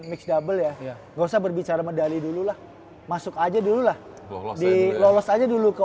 mix double ya nggak usah berbicara medali dulu lah masuk aja dulu lah di lolos aja dulu ke